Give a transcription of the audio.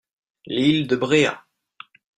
l'île de Bréhat.